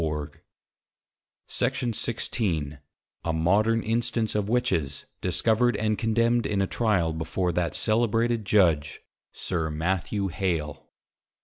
But we will begin with, A MODERN INSTANCE OF WITCHES, DISCOVERED AND CONDEMNED IN A TRYAL, BEFORE THAT CELEBRATED JUDGE, SIR MATTHEW HALE.